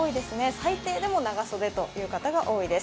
最低でも長袖という方が多いです。